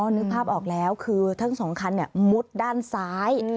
นึกภาพออกแล้วคือทั้งสองคันมุดด้านซ้าย